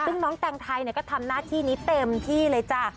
ซึ่งน้องแตงไทยก็ทำหน้าที่นี้เต็มที่เลยจ้ะ